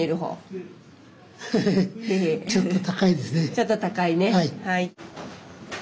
ちょっと高いね。